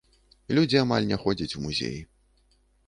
Людзі амаль не ходзяць у музеі.